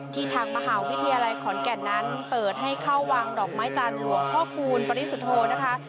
ทางมหาวิทยาลัยขอนแก่นนั้นเปิดให้เข้าวางดอกไม้จันทร์หลวงพ่อคูณปริสุทธโธนะคะ